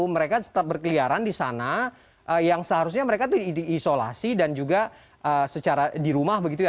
mereka tetap berkeliaran di sana yang seharusnya mereka itu diisolasi dan juga secara di rumah begitu ya